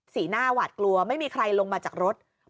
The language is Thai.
หน้าหวาดกลัวไม่มีใครลงมาจากรถ